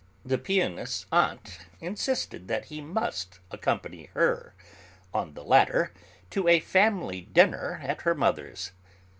The pianist's aunt insisted that he must accompany her, on the latter, to a family dinner at her mother's.